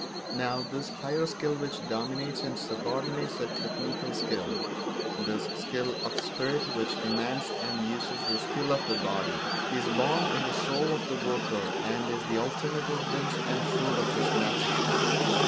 Now, this higher skill which dominates and subordinates the technical skill, this skill of the spirit which commands and uses the skill of the body, is born in the soul of the worker and is the ultimate evidence and fruit of his mastership.